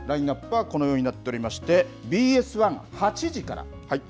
ラインナップはこのようになっておりまして、ＢＳ１、８時から。